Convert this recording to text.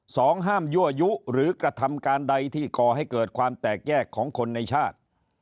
สองห้ามยั่วยุหรือกระทำการใดที่ก่อให้เกิดความแตกแยกของคนในชาติ